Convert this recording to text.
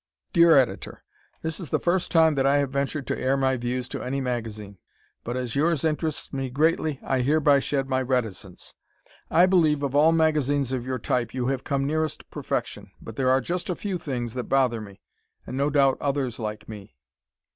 Dear Editor: This is the first time that I have ventured to air my views to any magazine, but as yours interests me greatly I hereby shed my reticence. I believe, of all magazine of your type, you have come nearest perfection. But there are just a few things that bother me, and, no doubt, others like me.